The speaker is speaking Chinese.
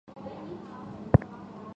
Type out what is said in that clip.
早年捐太仆寺员外郎。